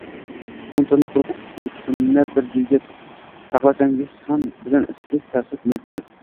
O‘n tonna quruq o‘tinni bir yerga taxlaganingiz bilan issiqlik tarqatmaydi.